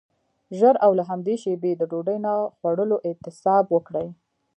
ژر او له همدې شیبې د ډوډۍ نه خوړلو اعتصاب وکړئ.